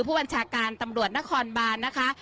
ผู้บัญชาการตำรวจนครบานนะคะ